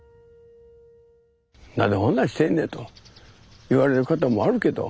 「何でほんなんしてんねん」と言われる方もあるけど